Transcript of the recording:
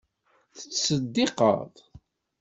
Tettseddiqeḍ?